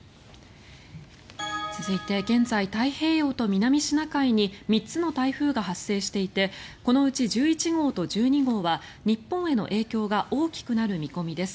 続いて、現在太平洋と南シナ海に３つの台風が発生していてこのうち１１号と１２号は日本への影響が大きくなる見込みです。